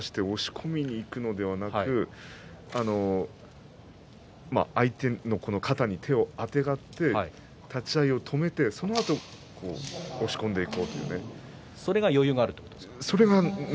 立ち合い手を伸ばして押し込みにいくのではなく相手の肩に手をあてがって立ち合いを止めてそのあと押し込んでいこうというそういう相撲です。